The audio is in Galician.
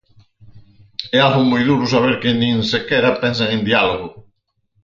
É algo moi duro saber que nin sequera pensan en diálogo.